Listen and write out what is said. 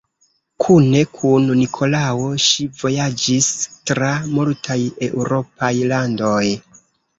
Kune kun Nikolao ŝi vojaĝis tra multaj eŭropaj landoj.